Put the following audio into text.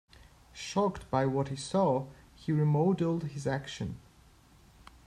Shocked by what he saw, he remodelled his action.